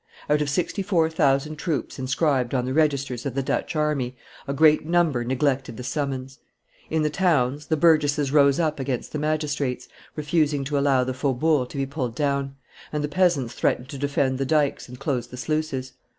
Out of sixty four thousand troops inscribed on the registers of the Dutch army, a great number neglected the summons; in the towns, the burgesses rose up against the magistrates, refusing to allow the faubourgs to be pulled down, and the peasants threatened to defend the dikes and close the sluices."